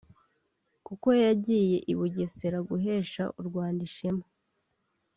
kuko yagiye i Bugesera guhesha u Rwanda ishema